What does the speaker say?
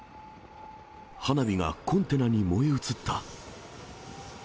花火がコンテナに燃え移った。